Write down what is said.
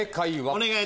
お願い！